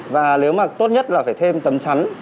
và nếu mà tốt nhất là phải thêm tấm chắn